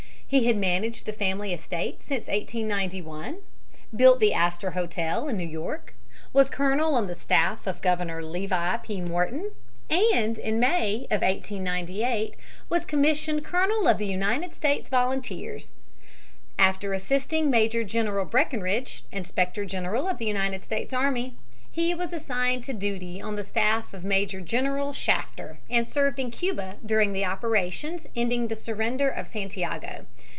He had managed the family estates since 1891; built the Astor Hotel, New York; was colonel on the staff of Governor Levi P. Morton, and in May, 1898, was commissioned colonel of the United States volunteers. After assisting Major General Breckinridge, inspector general of the United States army, he was assigned to duty on the staff of Major General Shafter and served in Cuba during the operations ending in the surrender of Santiago.